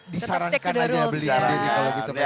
disarankan aja beli sendiri kalau gitu vespa